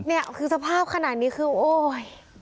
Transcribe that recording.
นี่คือสภาพขนาดนี้โอ๊ย